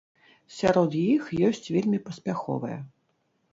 Сярод іх ёсць вельмі паспяховыя.